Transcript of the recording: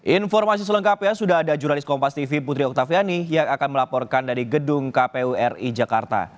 informasi selengkapnya sudah ada jurnalis kompas tv putri oktaviani yang akan melaporkan dari gedung kpu ri jakarta